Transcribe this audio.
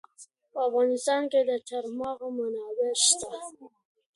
په افغانستان کې د چار مغز منابع شته.